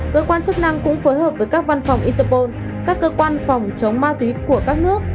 cơ quan chức năng cũng phối hợp với các văn phòng interpol các cơ quan phòng chống ma túy của các nước